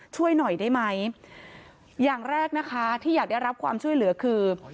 ช่วยหน่อยได้ไหมอย่างแรกนะคะที่อยากได้รับความช่วยเหลือคือ